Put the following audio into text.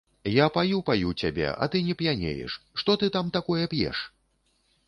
Я паю-паю цябе, а ты не п'янееш, што ты там такое п'еш?